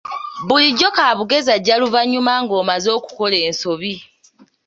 Bulijjo kaabugezi ajja luvannyuma ng'omaze okukola ensobi.